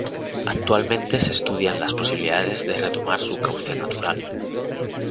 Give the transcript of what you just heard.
Actualmente, se estudian las posibilidades de retomar su cauce natural.